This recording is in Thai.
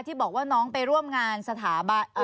ที่บอกว่าน้องไปร่วมงานสถาบัน